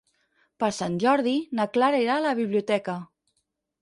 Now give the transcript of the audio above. Per Sant Jordi na Clara irà a la biblioteca.